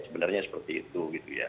sebenarnya seperti itu